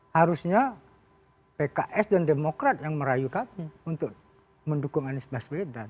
harusnya pks dan demokrat yang merayu kami untuk mendukung anis bas bedan